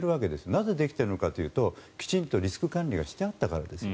なぜできているかというときちんとリスク管理をしてあったわけです。